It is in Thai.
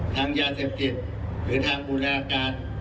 ทางยาเซพติธรรมหรือทางบุญนาคาร